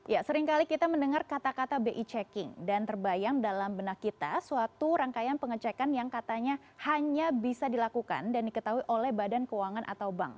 ya seringkali kita mendengar kata kata bi checking dan terbayang dalam benak kita suatu rangkaian pengecekan yang katanya hanya bisa dilakukan dan diketahui oleh badan keuangan atau bank